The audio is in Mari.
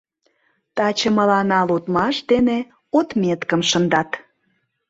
Таче мыланна лудмаш дене отметкым шындат.